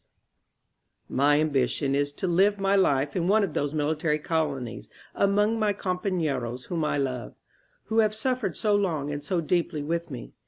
146 INSURGENT MEXICO ^'My ambition is to live my life in one of those mili tary colonies among my compafieros whom I love, who have suffered so long and so deeply with me.